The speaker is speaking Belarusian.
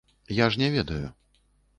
Я ж не ведаю.